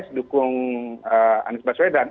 pks dukung anies baswedan